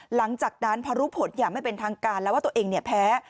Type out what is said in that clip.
หลังจากนั้นพอรู้ผลอย่างไม่เป็นทางการแล้วว่าตัวเองแพ้